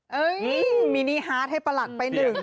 เฮ่ยมินีฮาร์ดให้ปลาหลักไปหนึ่ง